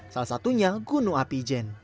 salah satunya gunung api